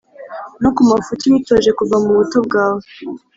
no ku mafuti witoje kuva mu buto bwawe,